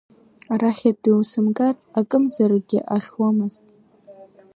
Арахьынтәи усымгар акымзаракгьы ахьуамызт.